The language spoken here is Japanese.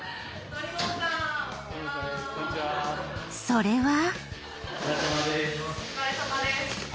それは。